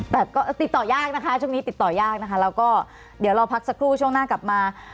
แต่ก็ติดต่อยากนะคะช่วงนี้ติดต่อยากนะคะแล้วก็เดี๋ยวเราพักสักครู่ช่วงหน้ากลับมา